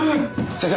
先生！